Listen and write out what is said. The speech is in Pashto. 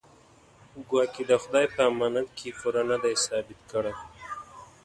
ګواکې د خدای په امانت کې پوره نه دی ثابت کړی.